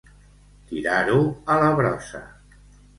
Tirar-ho a la brossa.